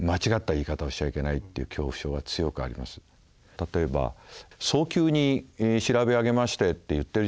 例えば「早急に調べ上げまして」って言ってるじゃないですか。